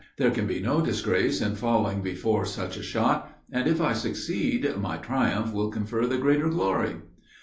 There can be no disgrace in falling before such a shot, and, if I succeed, my triumph will confer the greater glory!"